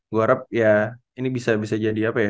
gue harap ya ini bisa jadi apa ya